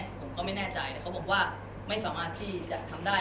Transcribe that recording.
ผมก็ไม่แน่ใจแต่เขาบอกว่าไม่สามารถที่จะทำได้